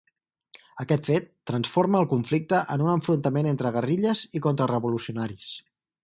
Aquest fet transforma el conflicte en un enfrontament entre guerrilles i contra-revolucionaris.